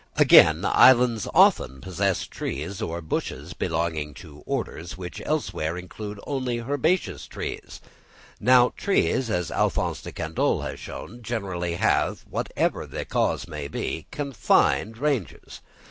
Again, islands often possess trees or bushes belonging to orders which elsewhere include only herbaceous species; now trees, as Alph. de Candolle has shown, generally have, whatever the cause may be, confined ranges.